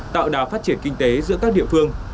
tạo đà phát triển kinh tế giữa các địa phương